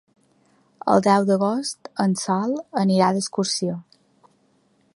El deu d'agost en Sol anirà d'excursió.